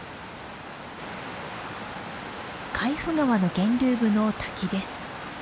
海部川の源流部の滝です。